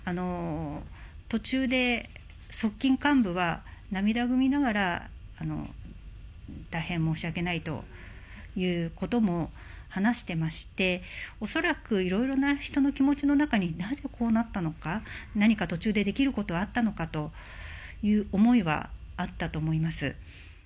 途中で側近幹部は涙ぐみながら、大変申し訳ないということも話してまして、恐らくいろいろな人の気持ちの中に、なぜこうなったのか、何か途中でできることはあったのかという、思いはあったと思います。